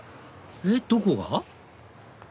えっどこが？